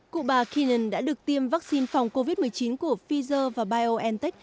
cụ bà keenan đã được tiêm vaccine phòng covid một mươi chín của pfizer và biontech